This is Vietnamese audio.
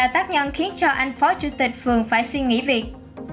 do anh phó chủ tịch phường phải xin nghỉ việc